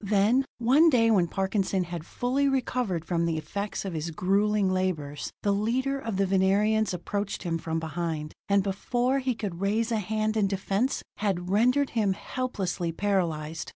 Then, one day when Parkinson had fully recovered from the effects of his grueling labors, the leader of the Venerians approached him from behind, and before he could raise a hand in defense, had rendered him helplessly paralyzed.